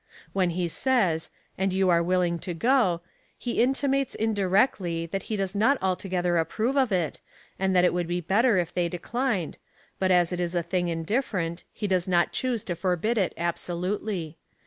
When he says — and you are willing to go, he intimates indirectly, that he does not altogether approve of it, and that it would be better if they declined, but as it is a thing indifferent, he does not choose to forbid it absolutely.